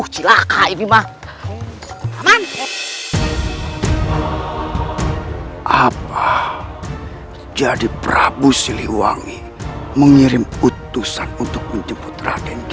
ya ari aplicasi melenang ia apa putus sama getah tadi